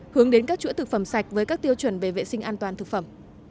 hướng đến các chuỗi thực phẩm sạch với các tiêu chuẩn về vệ sinh an toàn thực phẩm